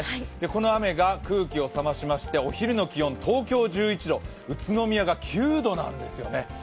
この雨が空気を冷ましまして、お昼の気温、東京１１度、宇都宮が９度なんですよね。